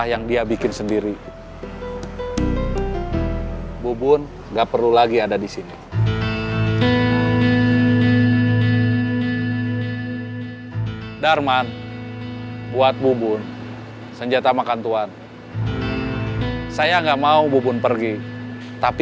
kang kobang itu orang kepercayaan kang mus di terminal